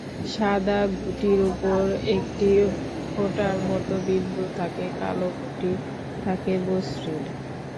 সাদা ঘুঁটির ওপর একটি ফোঁটার মতো বিন্দু থাকে, কালো ঘুঁটি থাকে মসৃণ।